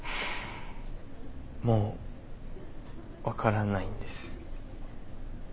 もう分からないんです。